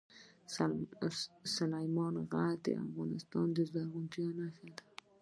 سلیمان غر د افغانستان د زرغونتیا نښه ده.